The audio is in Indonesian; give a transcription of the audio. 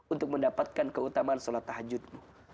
untuk mendapatkan keutamaan sholat tahajudmu